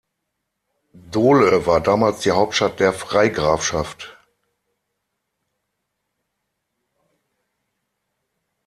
Dole war damals die Hauptstadt der Freigrafschaft.